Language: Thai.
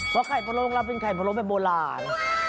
เพราะไข่พะโลกเราเป็นไข่พะโลแบบโบราณ